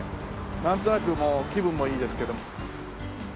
なんとなくもう気分もいいですけど。